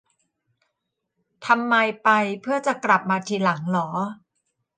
ทำไม ไป เพื่อจะกลับมาทีหลังเหรอ